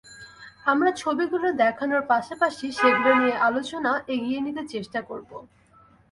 আমরা ছবিগুলো দেখানোর পাশাপাশি সেগুলো নিয়ে আলোচনা এগিয়ে নিতে চেষ্টা করব।